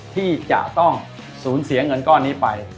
ที่จะต้องสูญเสียเงินก้อนนี้ไป